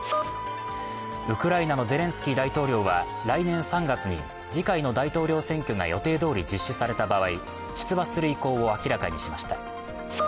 ウクライナのゼレンスキー大統領は来年３月に次回の大統領選挙が予定どおり実施された場合、出馬する意向を明らかにしました。